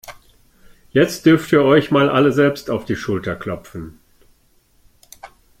Jetzt dürft ihr euch mal alle selbst auf die Schulter klopfen.